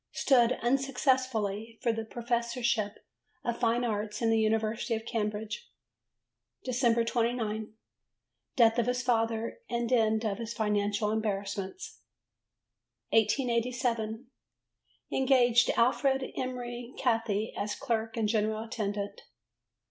Stood, unsuccessfully, for the Professorship of Fine Arts in the University of Cambridge. Dec. 29. Death of his father and end of his financial embarrassments. 1887. Engaged Alfred Emery Cathie as clerk and general attendant.